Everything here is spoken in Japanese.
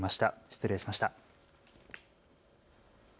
失礼しました。